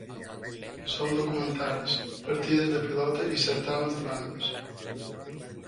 Són documentaris, partides de pilota i certàmens de bandes.